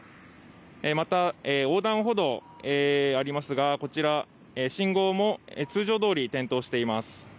また横断歩道、ありますがこちら、信号も通常どおり点灯しています。